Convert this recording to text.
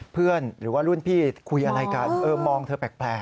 หรือว่ารุ่นพี่คุยอะไรกันเออมองเธอแปลก